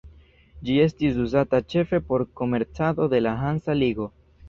Ĝi estis uzata ĉefe por komercado de la Hansa ligo.